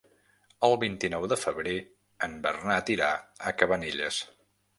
El vint-i-nou de febrer en Bernat irà a Cabanelles.